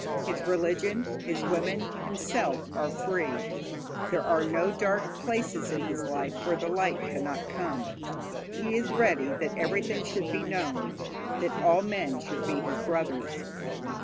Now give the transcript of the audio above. His religion, his women, himself, are free; there are no dark places in his life where the light cannot come. He is ready that everything should be known, that all men should be his brothers.